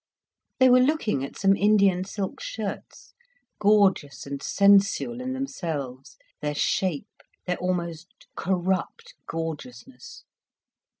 They were looking at some Indian silk shirts, gorgeous and sensual in themselves, their shape, their almost corrupt gorgeousness.